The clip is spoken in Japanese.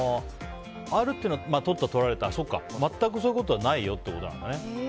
あるっていうのはとった、とられただから全くそういうことはないよっていうことなんだね。